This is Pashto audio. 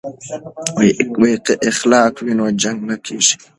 که اخلاق وي نو جنګ نه کیږي.